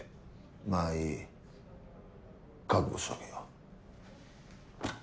まぁいい覚悟しとけよ。